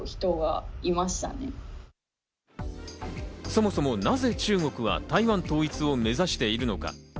そもそも、なぜ中国は台湾統一を目指しているのか？